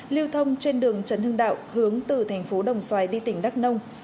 lưu thông trên đường trần hưng đạo hướng từ thành phố đồng xoài đi tỉnh đắk nông